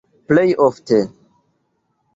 Plej ofte.